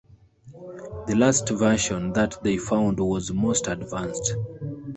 The last version that they found was most advanced.